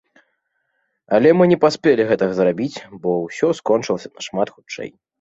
Але мы не паспелі гэтага зрабіць, бо ўсё скончылася нашмат хутчэй.